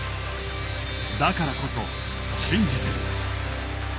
だからこそ信じてる。